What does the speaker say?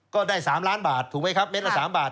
ก็ได้๓ล้านบาทถูกไหมครับเม็ดละ๓บาท